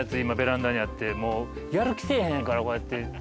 今ベランダにあってもうやる気せえへんからこうやって。